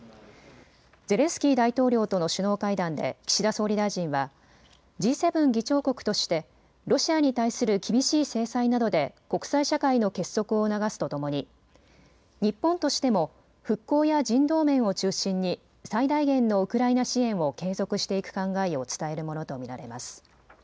ゼレンスキー大統領との首脳会談で岸田総理大臣はＧ７議長国としてロシアに対する厳しい制裁などで国際社会の結束を促すとともに日本としても復興や人道面を中心に最大限のウクライナ支援を継続していく考えを伝えるものと見られます。